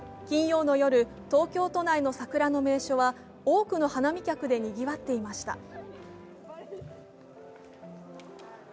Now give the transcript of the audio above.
金曜の夜、東京都内の桜の名所は多くの花見客でにぎわっていました。